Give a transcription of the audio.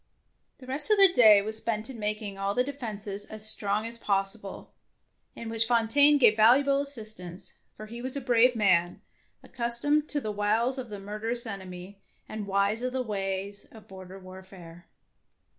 '' The rest of the day was spent in making all the defences as strong as 112 DEFENCE OF CASTLE DANGEKOUS possible, in which Fontaine gave valu able assistance, for he was a brave man, accustomed to the wiles of the murder ous enemy, and wise in the ways of border warfare.